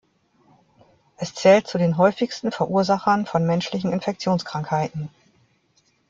Es zählt zu den häufigsten Verursachern von menschlichen Infektionskrankheiten.